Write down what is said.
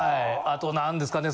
あと何ですかね。